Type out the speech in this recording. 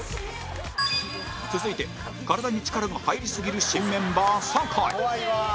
続いて体に力が入りすぎる新メンバー酒井